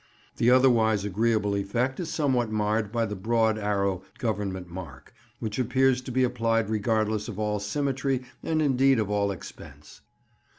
The otherwise agreeable effect is somewhat marred by the broad arrow Government mark, which appears to be applied regardless of all symmetry and indeed of all expense.